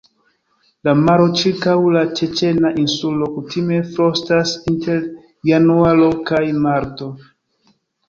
La maro ĉirkaŭ la Ĉeĉena Insulo kutime frostas inter Januaro kaj Marto.